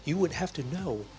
anda harus tahu